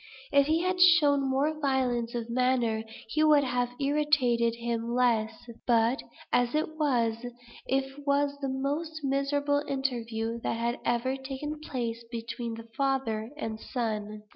If he had shown more violence of manner, he would have irritated him less; but, as it was, it was the most miserable interview that had ever taken place between the father and son.